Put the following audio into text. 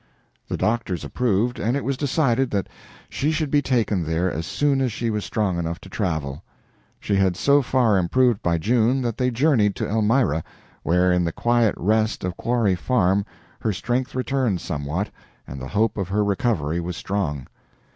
The doctors approved, and it was decided that she should be taken there as soon as she was strong enough to travel. She had so far improved by June that they journeyed to Elmira, where in the quiet rest of Quarry Farm her strength returned somewhat and the hope of her recovery was strong.